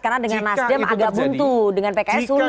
karena dengan nasdem agak buntu dengan pks sulit